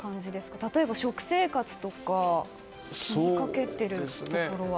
例えば、食生活とか気にかけているところは？